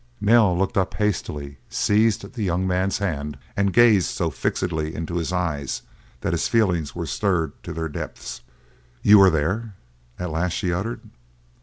Nell looked up hastily, seized the young man's hand, and gazed so fixedly into his eyes that his feelings were stirred to their depths. "You were there?" at last she uttered.